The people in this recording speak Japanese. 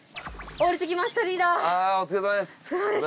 お疲れさまです。